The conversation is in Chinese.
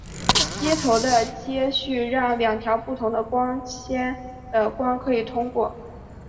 接头的接续让两条不同的光纤的光可以通过。